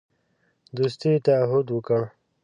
دوستی تعهد وکړ.